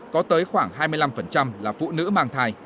có tới khoảng hai mươi năm là phụ nữ mang thai